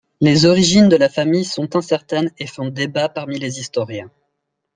Les origines de la famille sont incertaines et font débat parmi les historiens.